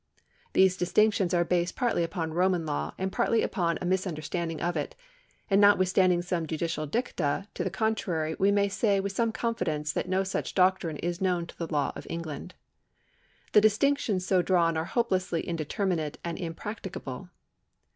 ^ These distinctions are based partly npon Roman law, and partly upon a mis understanding of it, and notwithstanding some judicial dicta to the contrary we may say with some confidence that no such doctrine is known to the law of England. The distinctions so drawn are hopelessly indeterminate and impracticable.